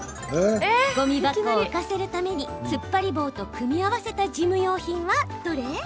ごみ箱を浮かせるためにつっぱり棒と組み合わせた事務用品はどれ？